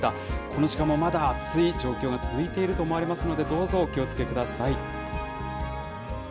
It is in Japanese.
この時間もまだ暑い状況が続いていると思われますので、どうぞお気をつけください。